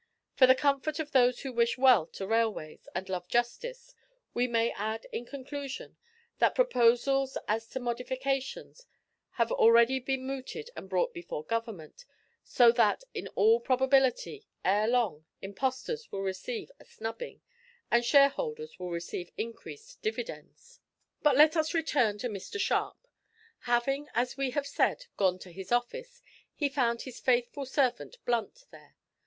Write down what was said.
For the comfort of those who wish well to railways, and love justice, we may add in conclusion, that proposals as to modifications have already been mooted and brought before Government, so that in all probability, ere long, impostors will receive a snubbing, and shareholders will receive increased dividends! But let us return to Mr Sharp. Having, as we have said, gone to his office, he found his faithful servant Blunt there.